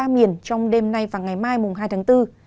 miền trong đêm nay và ngày mai hai tháng bốn